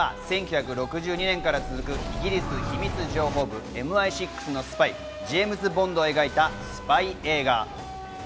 『００７』シリーズといえば１９６２年から続くイギリス秘密情報部ＭＩ６のスパイ、ジェームズ・ボンドを描いたスパイ映画。